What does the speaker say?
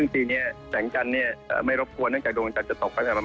ที่นี้แสงจันทร์เนี่ยไม่รบกวนเนื่องจากโดมออกจากจะตกประมาณ๒ทุ่มครึ่งนะครับ